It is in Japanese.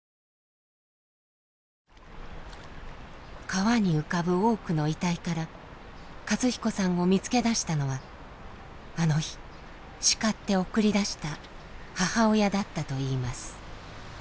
川に浮かぶ多くの遺体から寿彦さんを見つけ出したのはあの日叱って送り出した母親だったといいます。